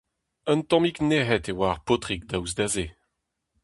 Un tammig nec'het e oa ar paotrig, daoust da se.